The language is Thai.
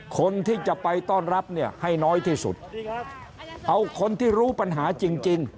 คนที่จะไปต้อนรับเนี่ยให้น้อยที่สุดเอาคนที่รู้ปัญหาจริง